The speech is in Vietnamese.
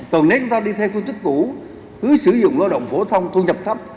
còn nếu chúng ta đi theo phương thức cũ cứ sử dụng lao động phổ thông thu nhập thấp